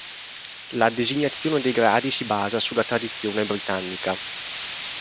La designazione dei gradi si basa sulla tradizione britannica.